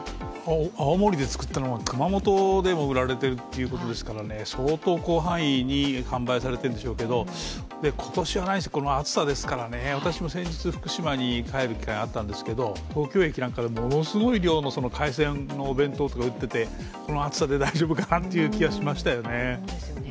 青森で作ったものが熊本でも売られているということですから、相当広範囲に販売されているんでしょうけど今年はこの暑さですからね、私も先日、福島に帰ることがあったんですけど東京駅なんかで、ものすごい量の海鮮のお弁当とか売ってて、この暑さで大丈夫なのかなという気はしましたよね。